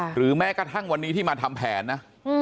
หรือแม้กระทั่งวันนี้ที่มาทำแผนนะ